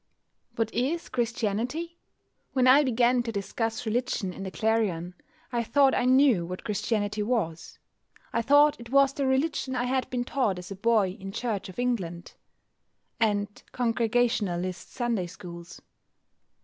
What is Christianity? When I began to discuss religion in the Clarion I thought I knew what Christianity was. I thought it was the religion I had been taught as a boy in Church of England and Congregationalist Sunday schools.